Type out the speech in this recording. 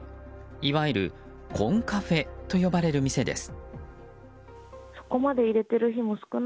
いわゆるコンカフェと呼ばれる店です。